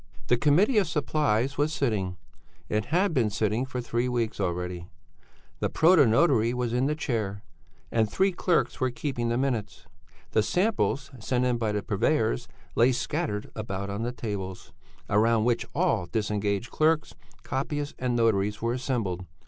"The Committee of Supplies was sitting; it had been sitting for three weeks already. The protonotary was in the chair and three clerks were keeping the minutes. The samples sent in by the purveyors lay scattered about on the tables, round which all disengaged clerks, copyists and notaries were assembled.